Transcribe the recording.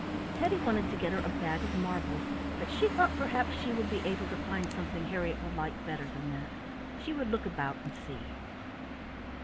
Teddy wanted to get her a bag of marbles, but she thought perhaps she would be able to find something Harriett would like better than that. She would look about and see.